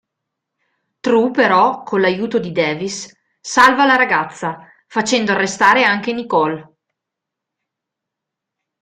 Tru però con l'aiuto di Davis salva la ragazza, facendo arrestare anche Nicole.